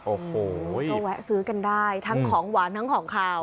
โอ้โหก็แวะซื้อกันได้ทั้งของหวานทั้งของขาว